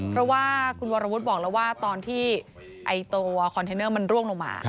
เพราะว่าคุณวรวุฒิบอกแล้วว่าตอนที่ตัวคอนเทนเนอร์มันร่วงลงมา